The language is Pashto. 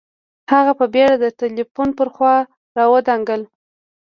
هغه په بېړه د ټلیفون پر خوا را ودانګل